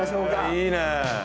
いいね！